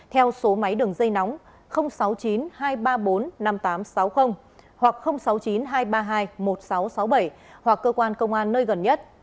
theo số máy đường dây nóng sáu mươi chín hai trăm ba mươi bốn năm nghìn tám trăm sáu mươi hoặc sáu mươi chín hai trăm ba mươi hai một nghìn sáu trăm sáu mươi bảy hoặc cơ quan công an nơi gần nhất